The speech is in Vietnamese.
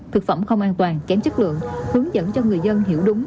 thực phẩm không an toàn kém chất lượng hướng dẫn cho người dân hiểu đúng